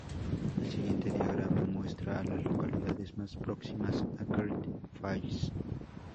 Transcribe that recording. El siguiente diagrama muestra a las localidades más próximas a Great Falls.